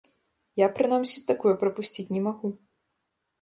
Я, прынамсі, такое прапусціць не магу.